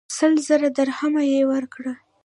سل زره درهمه یې ورکړل.